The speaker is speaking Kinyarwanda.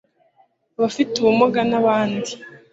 abafite ubumunga n abandi